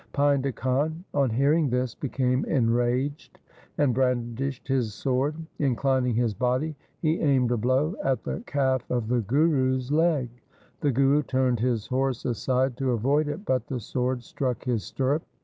Painda Khan, on hearing this, became enraged and brandished his sword. Inclining his body, he aimed a blow at the calf of the Guru's leg. The Guru turned his horse aside to avoid it, but the sword struck his stirrup.